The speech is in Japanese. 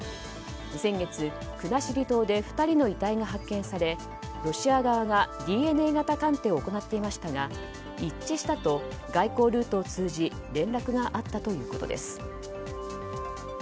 先月、国後島で２人の遺体が発見されロシア側がＤＮＡ鑑定を行っていましたが一致したと外交ルートを通じ連絡があったということです。